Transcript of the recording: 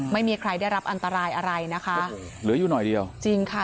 ไม่มีใครได้รับอันตรายอะไรนะคะเหลืออยู่หน่อยเดียวจริงค่ะ